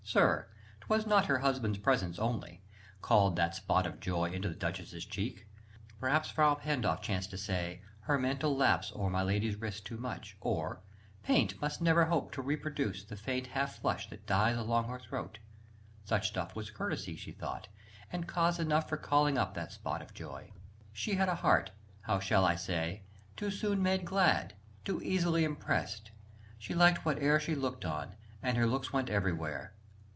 Sir, 'twas not Her husband's presence only, called that spot Of joy into the Duchess' cheek: perhaps Frà Pandolf chanced to say "Her mantle laps Over my Lady's wrist too much," or "Paint Must never hope to reproduce the faint Half flush that dies along her throat;" such stuff Was courtesy, she thought, and cause enough For calling up that spot of joy. She had A heart ... how shall I say? ... too soon made glad, Too easily impressed; she liked whate'er She looked on, and her looks went everywhere.